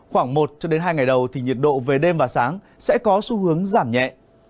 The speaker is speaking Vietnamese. khoảng một hai ngày đầu thì nhiệt độ về đêm và sáng sẽ có xu hướng giảm nhẹ